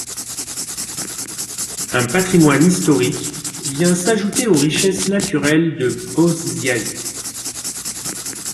Un patrimoine historique vient s’ajouter aux richesses naturelles de Bozyazi.